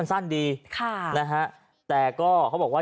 รู้หน้าที่มีวินัยฝ่ายความดีค่ะ